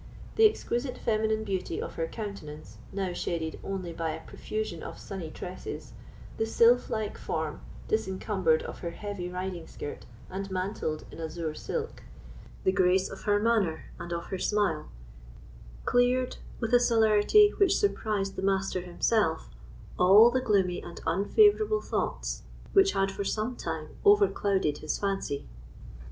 The exquisite feminine beauty of her countenance, now shaded only by a profusion of sunny tresses; the sylph like form, disencumbered of her heavy riding skirt and mantled in azure silk; the grace of her manner and of her smile, cleared, with a celerity which surprised the Master himself, all the gloomy and unfavourable thoughts which had for some time overclouded his fancy.